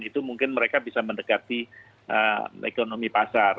itu mungkin mereka bisa mendekati ekonomi pasar